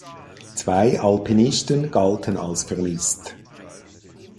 Zwei Alpinisten galten als vermisst.